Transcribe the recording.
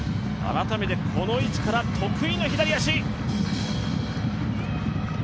改めて、この位置から得意の左足！